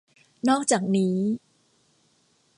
นอกจากนี้